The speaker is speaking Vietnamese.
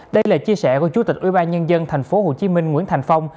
đây là chia sẻ của chủ tịch ubnd tp hcm nguyễn thành phong